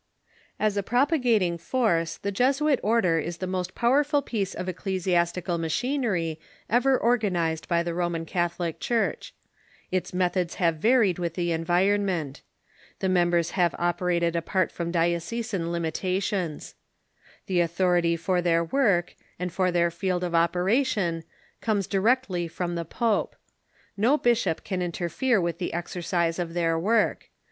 As a propagating force, the Jesuit order is the most pow erful piece of ecclesiastical machinery ever organized by the Roman Catholic Church. Its methods have va General Influence ^ with the environment. The members have of Jesuitism operated apart from diocesan limitations. The authority for their work, and for their field of operation, comes directly from the pope. No bishop can interfere with the ex ercise of their work.